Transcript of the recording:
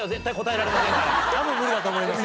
多分無理だと思います。